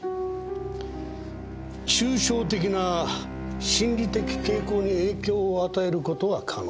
抽象的な心理的傾向に影響を与えることは可能です。